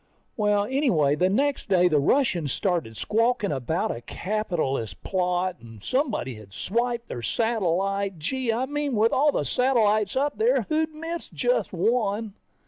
Well, anyway the next day, the Russians started squawking about a capitalist plot, and someone had swiped their satellite. Gee, I mean with all the satellites up there, who'd miss just one?